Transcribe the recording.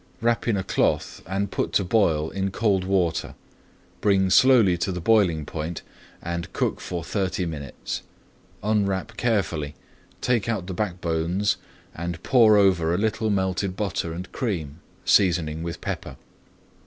Wrap in a cloth and put to boil in cold water. Bring slowly to the boiling point and cook for thirty minutes. Unwrap carefully, take out the backbones, and pour over a little melted butter and cream, seasoning with pepper.